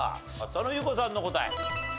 浅野ゆう子さんの答え。